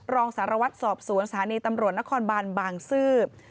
รองสารวัตรสอบสวนสถานีตำรวจนครบานบางซื่อ